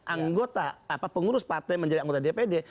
anggota pengurus partai menjadi anggota dpd